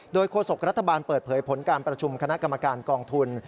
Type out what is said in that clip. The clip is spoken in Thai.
โดยโฆษกรัฐบาลเปิดเผยผลการประชุมคณะกรรมการกองทุน